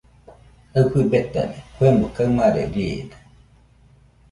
Aɨfɨ betade, kuemo kaɨmare riide.